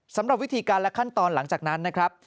สำหรับวิธีการและขั้นตอนหลังจากนั้นนะครับ